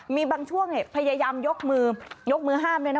มีบางช่วงเนี่ยพยายามยกมือยกมือห้ามเลยนะ